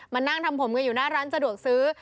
นั่งทำผมกันอยู่หน้าร้านสะดวกซื้อ